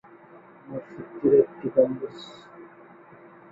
মসজিদটির একটি গম্বুজ।